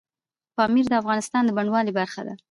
پامیر د افغانستان د بڼوالۍ برخه ده.